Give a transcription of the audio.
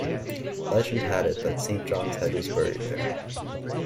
Legend had it that Saint John's head was buried there.